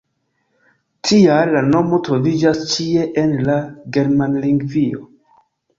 Tial la nomo troviĝas ĉie en la Germanlingvio.